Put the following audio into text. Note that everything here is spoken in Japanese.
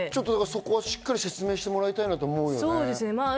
しっかり説明してもらいたいと思うよね。